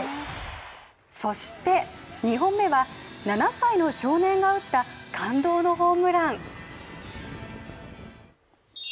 そして２本目は７歳の少年が打った感動のホームラン。